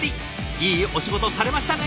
いいお仕事されましたね。